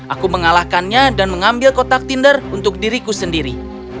aku mengalahkannya dan mengambil kotak tinder untuk diriku sendiri